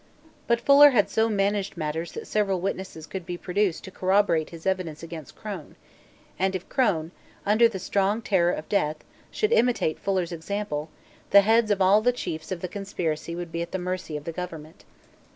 But Fuller had so managed matters that several witnesses could be produced to corroborate his evidence against Crone; and, if Crone, under the strong terror of death, should imitate Fuller's example, the heads of all the chiefs of the conspiracy would be at the mercy of the government.